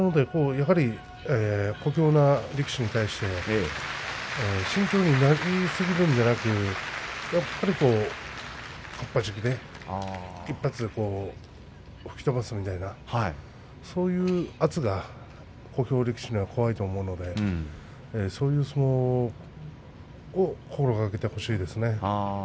小兵な力士に対して慎重になりすぎるんじゃなくやっぱり、かっぱじきで１発で吹き飛ばすようなそういう圧が小兵力士には怖いと思うのでそういう相撲を心がけてほしいですね。